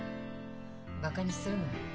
バカにするの？